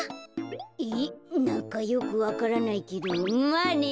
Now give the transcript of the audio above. えっなんかよくわからないけどまあね。